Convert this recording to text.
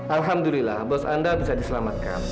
alhamdulillah bos anda bisa diselamatkan